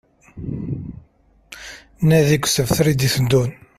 Nadi deg usebter d-iteddun